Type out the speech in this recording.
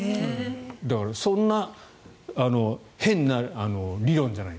だからそんな変な理論じゃない。